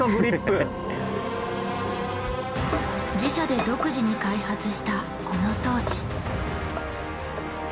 自社で独自に開発したこの装置。